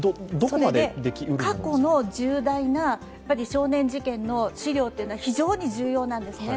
それで過去の重大な少年事件の資料というのは非常に需要なんです。